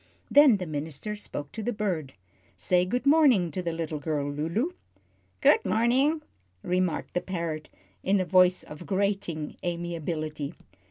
Then the minister spoke to the bird. "Say good morning to the little girl, Lulu." "Good morning," remarked the parrot, in a voice of grating amiability.